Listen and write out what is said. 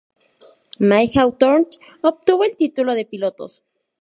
Mike Hawthorn obtuvo el título de pilotos.